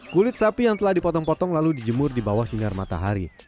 kulit sapi yang telah dipotong potong lalu dijemur di bawah sinar matahari